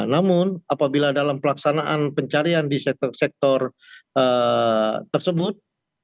namun apabila dalam pelaksanaan pencarian di sektor sektor tersebut